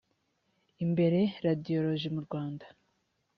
imbere radiyoloji mu rwanda